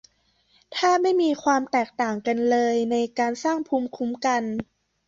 แทบไม่มีความแตกต่างกันเลยในการสร้างภูมิคุ้มกัน